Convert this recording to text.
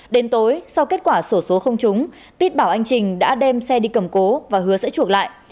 đến tối sau kết quả sổ số không trúng tiết bảo anh trình đã đem xe đi cầm cố và hứa sẽ chuộc lại